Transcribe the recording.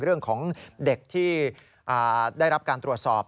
เรื่องของเด็กที่ได้รับการตรวจสอบ